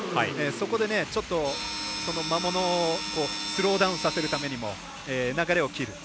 そこで魔物をスローダウンさせるためにも流れを切る。